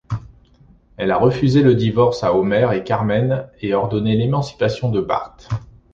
Elle a refusé le divorce à Homer et Carmen et ordonné l'émancipation de Bart.